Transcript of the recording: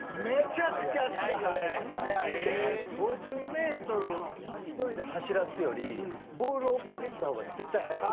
５０メートル１人で走らすよりボールを追っかけてた方が絶対速い。